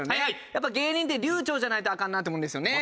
やっぱり芸人って流暢じゃないとアカンなって思うんですよね。